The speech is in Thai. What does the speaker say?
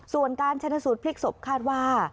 ส่วนการชนะสูตรพลิกศพคาดว่า